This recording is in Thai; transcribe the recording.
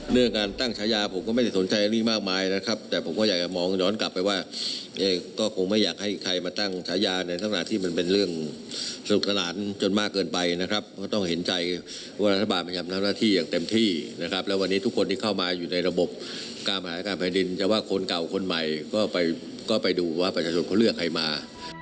ทุกคนที่เข้ามาอยู่ในระบบการประหลาดการแผ่นดินแต่ว่าคนเก่าคนใหม่ก็ไปดูว่าประชุมเขาเลือกใครมา